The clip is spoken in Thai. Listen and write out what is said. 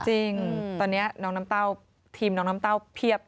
จริงตอนนี้น้องน้ำเต้าทีมน้องน้ำเต้าเพียบ